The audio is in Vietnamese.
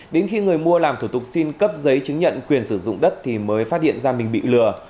đến khi người mua làm thủ tục xin cấp giấy chứng nhận quyền sử dụng đất thì mới phát hiện ra mình bị lừa